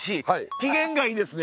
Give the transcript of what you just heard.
機嫌がいいですね！